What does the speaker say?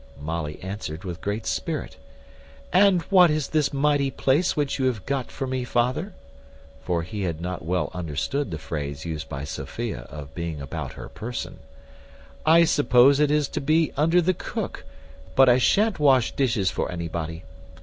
Molly answered with great spirit, "And what is this mighty place which you have got for me, father?" (for he had not well understood the phrase used by Sophia of being about her person). "I suppose it is to be under the cook; but I shan't wash dishes for anybody.